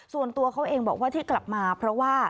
ส่วนตัวเขาเองบอกว่าที่กลับมาเพราะว่า